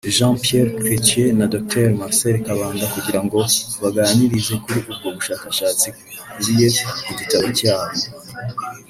Jean-Pierre Chretien na Dr Marcel Kabanda kugirango babaganirize kuri ubwo bushakashatsi bukubiye mu gitabo cyabo